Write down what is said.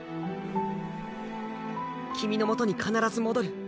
君のもとに必ず戻る。